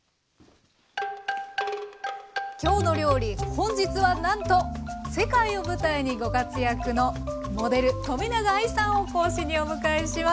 本日はなんと世界を舞台にご活躍のモデル冨永愛さんを講師にお迎えします。